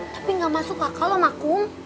tapi gak masuk akal om akkum